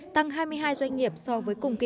tăng hai mươi hai doanh nghiệp so với cùng kỳ